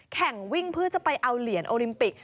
วิ่งเพื่อจะไปเอาเหรียญโอลิมปิก